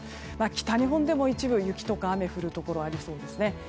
北日本でも一部、雪とか雨が降るところありそうですね。